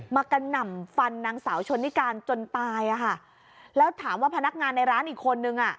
กระหน่ำฟันนางสาวชนนิการจนตายอ่ะค่ะแล้วถามว่าพนักงานในร้านอีกคนนึงอ่ะ